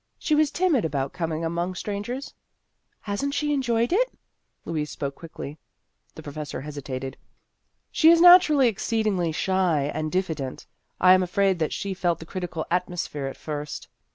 She was timid about coming among strangers. " Has n't she enjoyed it ?" Louise spoke quickly. The professor hesitated. " She is nat urally exceedingly shy and diffident. I am afraid that she felt the critical atmosphere at first."